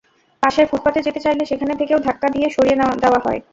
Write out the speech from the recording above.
পাশের ফুটপাতে যেতে চাইলে সেখান থেকেও ধাক্কা দিয়ে সরিয়ে দেওয়া হয়।